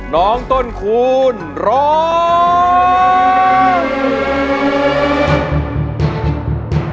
น้องต้นคูณร้อง